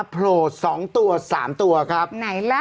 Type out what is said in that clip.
โผล่สองตัวสามตัวครับไหนล่ะ